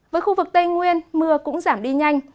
với khu vực tây nguyên mưa cũng giảm đi nhanh